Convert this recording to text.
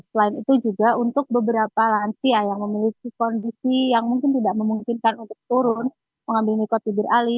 selain itu juga untuk beberapa lansia yang memiliki kondisi yang mungkin tidak memungkinkan untuk turun mengambil nikot bibir ali